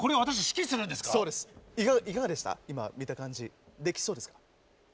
今見た感じできそうですか？